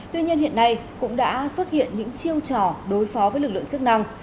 tuy nhiên hiện nay cũng đã xuất hiện những chiêu trò đối phó với lực lượng chức năng